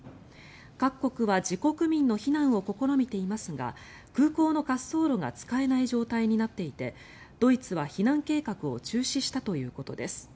各国は自国民の避難を試みていますが空港の滑走路が使えない状態になっていてドイツは避難計画を中止したということです。